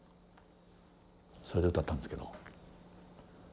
それで歌ったんですけど。